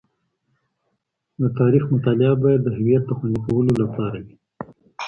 د تاریخ مطالعه باید د هویت د خوندي کولو لپاره وي.